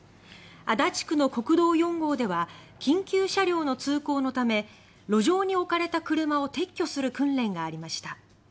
足立区の国道４号では緊急車両の通行のため路上に置かれた車を撤去する訓練がありました。